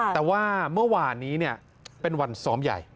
แต่ว่าเมื่อวานนี้เป็นวันซ้อมใหญ่